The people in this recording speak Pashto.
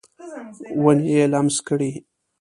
ونې یې لمس کړي